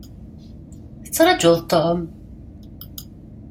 Tettrajuḍ Tom?